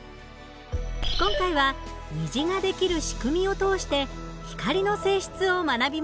今回は虹が出来る仕組みを通して光の性質を学びましょう。